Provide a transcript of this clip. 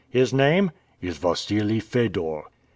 "His name?" "Is Wassili Fedor."